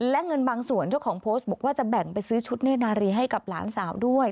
และเงินบางส่วนเจ้าของโพสต์บอกว่าจะแบ่งไปซื้อชุดเนธนารีให้กับหลานสาวด้วย